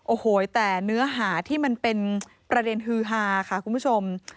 โอ้โหแต่เนื้อหาที่มันเป็นประเด็นฮือฮาค่ะคุณผู้ชม